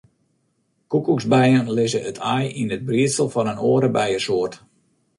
Koekoeksbijen lizze it aai yn it briedsel fan in oare bijesoart.